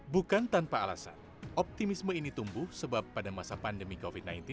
bukan tanpa alasan optimisme ini tumbuh sebab pada masa pandemi covid sembilan belas